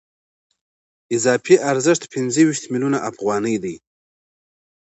اضافي ارزښت پنځه ویشت میلیونه افغانۍ دی